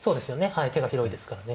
はい手が広いですからね。